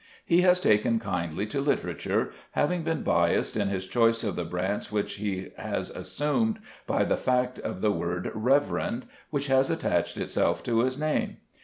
He has taken kindly to literature, having been biassed in his choice of the branch which he has assumed by the fact of the word "Reverend" which has attached itself to his name.